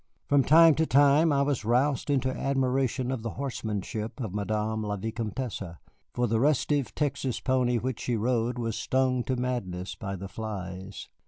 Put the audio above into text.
From time to time I was roused into admiration of the horsemanship of Madame la Vicomtesse, for the restive Texas pony which she rode was stung to madness by the flies.